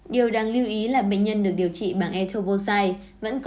điều đáng lưu ý là bệnh nhân được điều trị bằng etoposide vẫn có thể có nguy cơ